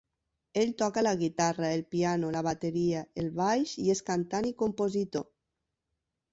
Ell toca la guitarra, el piano, la bateria, el baix, i és cantant i compositor.